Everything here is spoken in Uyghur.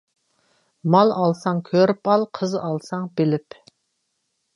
مال ئالساڭ كۆرۈپ ئال، قىز ئالساڭ بىلىپ.